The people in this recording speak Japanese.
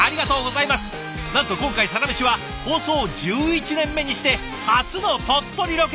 なんと今回「サラメシ」は放送１１年目にして初の鳥取ロケ。